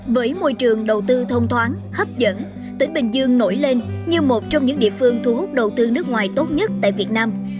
với môi trường đầu tư thông thoáng hấp dẫn tỉnh bình dương nổi lên như một trong những địa phương thu hút đầu tư nước ngoài tốt nhất tại việt nam